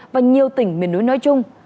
và nhiều tỉnh miền núi nói chung